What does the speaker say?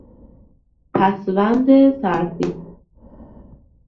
پسوند صرفی